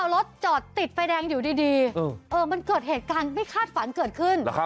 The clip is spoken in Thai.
รถจอดติดไฟแดงอยู่ดีมันเกิดเหตุการณ์ไม่คาดฝันเกิดขึ้น